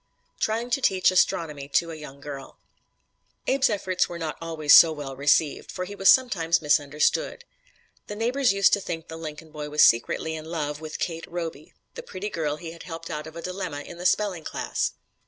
TRYING TO TEACH ASTRONOMY TO A YOUNG GIRL Abe's efforts were not always so well received, for he was sometimes misunderstood. The neighbors used to think the Lincoln boy was secretly in love with Kate Roby, the pretty girl he had helped out of a dilemma in the spelling class.